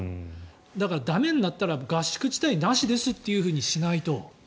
だから、駄目になったら合宿自体なしですというふうにしないと。